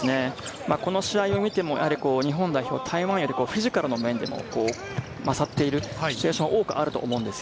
この試合を見ても日本代表は台湾よりフィジカルの面でも勝っているシチュエーションが多くあると思います。